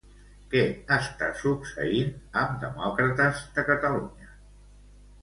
Què està succeint amb Demòcrates de Catalunya?